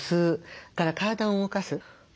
それから体を動かす。